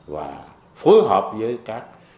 và phối hợp với các